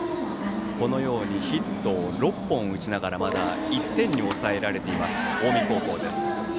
ヒットを６本打ちながらまだ１点に抑えられています近江高校です。